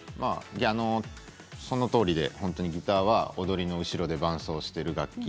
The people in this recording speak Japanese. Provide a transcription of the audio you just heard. そのとおりでギターは踊りの後ろで伴奏をしている楽器。